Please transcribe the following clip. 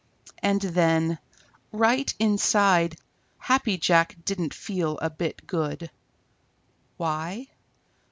And then, right inside Happy Jack didn't feel a bit good. Why?